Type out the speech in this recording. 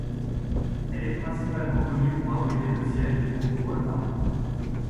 Elle est principalement connue pour abriter le siège du groupe Wal-Mart.